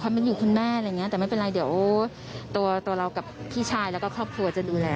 มันอยู่คุณแม่อะไรอย่างนี้แต่ไม่เป็นไรเดี๋ยวตัวเรากับพี่ชายแล้วก็ครอบครัวจะดูแล